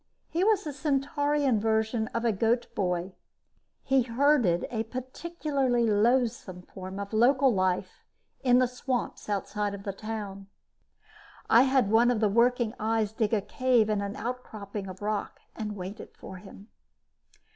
He was the Centaurian version of a goat boy he herded a particularly loathsome form of local life in the swamps outside the town. I had one of the working eyes dig a cave in an outcropping of rock and wait for him.